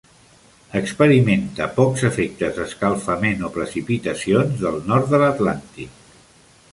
Experimenta pocs efectes d'escalfament o precipitacions del nord de l'Atlàntic.